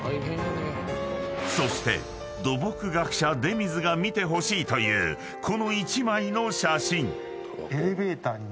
［そして土木学者出水が見てほしいというこの］